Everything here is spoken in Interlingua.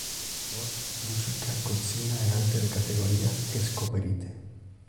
Sports, musica, cocina e altere categorias es coperite.